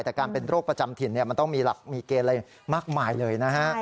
แต่การเป็นโรคประจำถิ่นมันต้องมีหลักมีเกณฑ์อะไรมากมายเลยนะฮะ